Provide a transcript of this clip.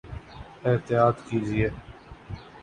احطیاط کیجئے